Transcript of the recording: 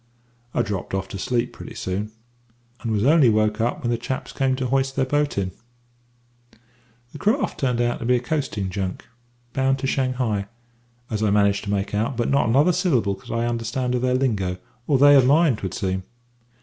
"I dropped off to sleep pretty soon, and was only woke up when the chaps came to hoist their boat in. "The craft turned out to be a coasting junk, bound to Shanghai, as I managed to make out, but not another syllable could I understand of their lingo or they of mine 'twould seem.